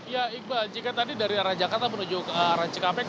ya iqbal jika tadi dari arah jakarta menuju ke arah cikampek